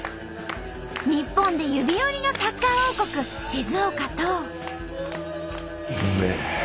日本で指折りのサッカー王国静岡と。